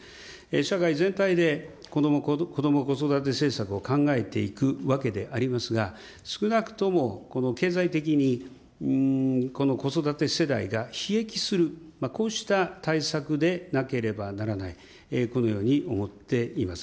社会全体で子ども・子育て政策を考えていくわけでありますが、少なくとも経済的に、子育て世代がひ益する、こうした対策でなければならない、このように思っています。